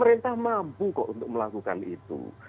dan kita mampu kok untuk melakukan itu